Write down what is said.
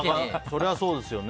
それはそうですよね。